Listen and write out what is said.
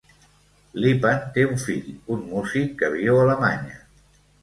Lipan té un fill, un músic que viu a Alemanya.